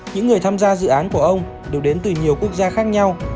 những người tham gia dự án của ông đều đến từ nhiều quốc gia khác nhau